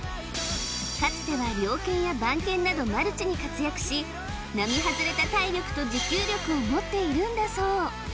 かつては猟犬や番犬などマルチに活躍し並外れた体力と持久力を持っているんだそう